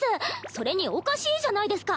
それにおかしいじゃないですか